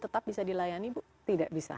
tetap bisa dilayani bu tidak bisa